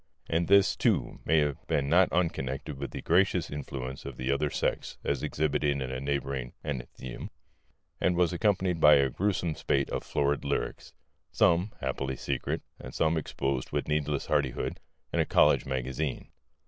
And this, too, may have been not unconnected with the gracious influence of the other sex as exhibited in a neighbouring athenæum; and was accompanied by a gruesome spate of florid lyrics: some (happily) secret, and some exposed with needless hardihood in a college magazine.